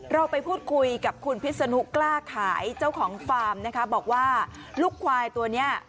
เราไปพูดคุยกับคุณพิษนุกล้าขายเจ้าของฟาร์มนะคะบอกว่าลูกควายตัวเนี้ย